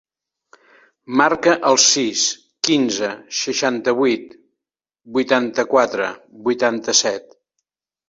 Marca el sis, quinze, seixanta-vuit, vuitanta-quatre, vuitanta-set.